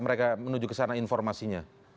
mereka menuju ke sana informasinya